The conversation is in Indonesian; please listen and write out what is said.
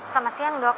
selamat siang dok